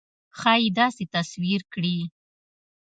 ښایي داسې تصویر کړي.